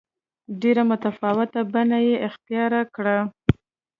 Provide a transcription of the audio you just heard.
ډېره متفاوته بڼه یې اختیار کړه.